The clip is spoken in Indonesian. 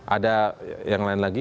ada yang lain lagi